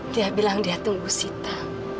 dia bilang dia tunggu sita